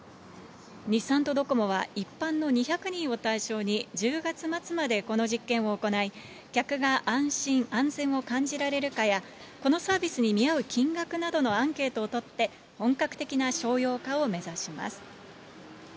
日産とドコモは一般の２００人を対象に、１０月末までこの実験を行い、客が安心安全を感じられるかや、このサービスに見合う金額などのアンケートを取って、本格的な商用化を目指します。